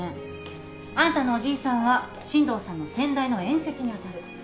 あんたのおじいさんは進藤さんの先代の遠戚に当たる。